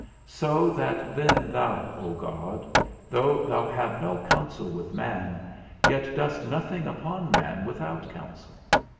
So that then thou, O God, though thou have no counsel from man, yet dost nothing upon man without counsel.